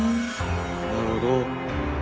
なるほど。